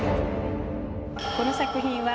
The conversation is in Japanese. この作品は。